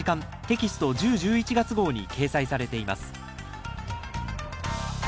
テキスト１０・１１月号に掲載されています